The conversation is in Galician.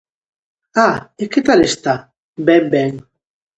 -Ah, e que tal está? -Ben, ben.